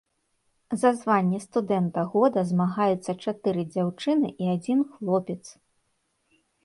За званне студэнта года змагаюцца чатыры дзяўчыны і адзін хлопец.